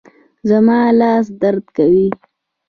زما لاس درد کوي